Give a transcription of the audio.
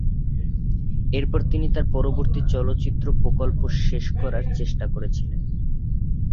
এরপর তিনি তার পরবর্তী চলচ্চিত্র প্রকল্প শেষ করার চেষ্টা করেছিলেন।